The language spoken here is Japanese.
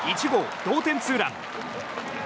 １号同点ツーラン。